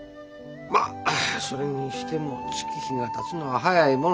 まっそれにしても月日がたつのは早いものじゃのう。